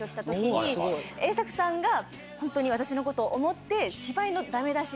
栄作さんがホントに私のことを思って。